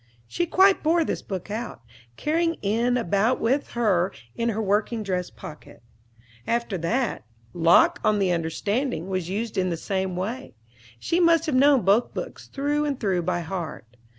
She quite wore this book out, carrying it about with her in her working dress pocket. After that, "Locke on the Understanding" was used in the same way. She must have known both books through and through by heart.